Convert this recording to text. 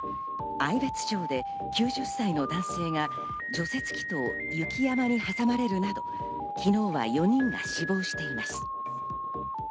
愛別町で９０歳の男性が除雪機と雪山に挟まれるなど、昨日は４人が死亡しています。